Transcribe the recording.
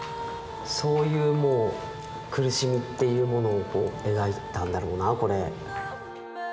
そういうもう苦しみっていうものを描いたんだろうなあこれ。